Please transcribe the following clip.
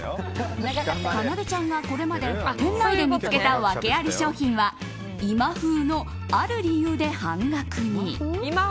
かなでちゃんがこれまで店内で見つけたワケあり商品は今風の、ある理由で半額に。